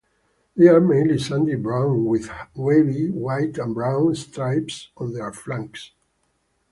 They are mainly sandy brown, with wavy white and brown stripes on their flanks.